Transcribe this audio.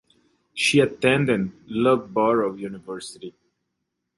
She attended Loughborough University.